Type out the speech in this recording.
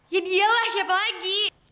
ya dia lah siapa lagi